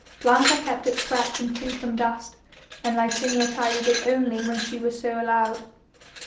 Blanca kept it swept and free from dust, and Licinia tidied it only when she was so allowed.